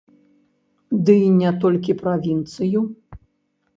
Дый і не толькі правінцыю!